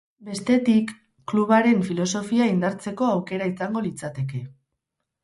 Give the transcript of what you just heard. Bestetik, klubaren filosofia indartzeko aukera izango litzateke.